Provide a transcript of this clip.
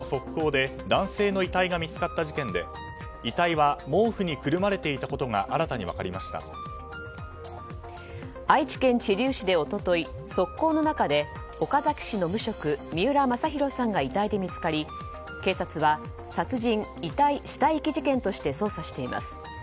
愛知県知立市の側溝で男性の遺体が見つかった事件で遺体は毛布にくるまれていたことが愛知県知立市で一昨日側溝の中で岡崎市の無職三浦正裕さんが遺体で見つかり警察は殺人死体遺棄事件として捜査しています。